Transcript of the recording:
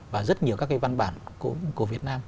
và rất nhiều các cái văn bản của việt nam